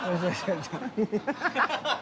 ハハハハ！